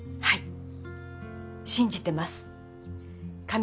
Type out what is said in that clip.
はい。